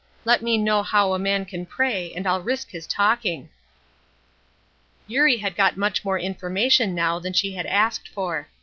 Let me know how a man can pray and I'll risk his talking." Eurie had got much more information now than she had asked for.